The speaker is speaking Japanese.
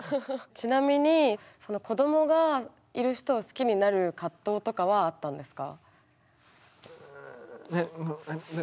ちなみに子どもがいる人を好きになる葛藤とかはあったんですか？